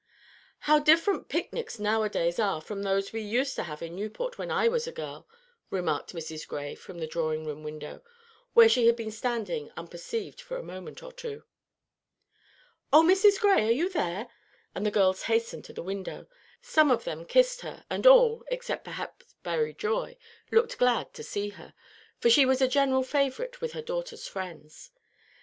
"How different picnics now a days are from those which we used to have in Newport when I was a girl," remarked Mrs. Gray from the drawing room window, where she had been standing unperceived for a moment or two. "Oh, Mrs. Gray, are you there?" and the girls hastened to the window. Some of them kissed her; and all, except perhaps Berry Joy, looked glad to see her, for she was a general favorite with her daughters' friends.